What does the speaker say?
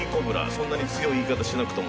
そんなに強い言い方しなくても、、』